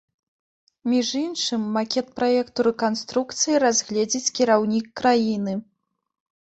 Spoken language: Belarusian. Між іншым, макет праекту рэканструкцыі разгледзіць кіраўнік краіны.